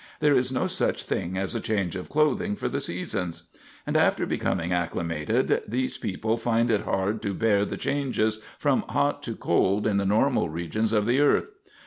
There is no such thing as a change of clothing for the seasons. And after becoming acclimated these people find it hard to bear the changes from hot to cold in the normal regions of the earth.